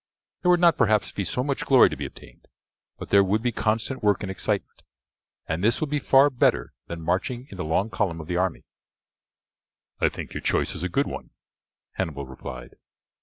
There would not, perhaps, be so much glory to be obtained, but there would be constant work and excitement, and this will be far better than marching in the long column of the army." "I think your choice is a good one," Hannibal replied.